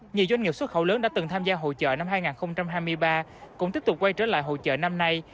nhiều doanh nghiệp xuất khẩu lớn đã từng tham gia hội chợ năm hai nghìn hai mươi ba cũng tiếp tục quay trở lại hội chợ năm nay